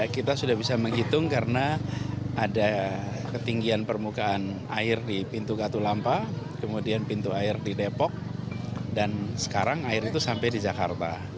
kita sudah bisa menghitung karena ada ketinggian permukaan air di pintu katulampa kemudian pintu air di depok dan sekarang air itu sampai di jakarta